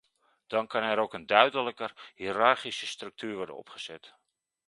Dan kan er ook een duidelijker hiërarchische structuur worden opgezet.